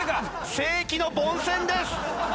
世紀の凡戦です！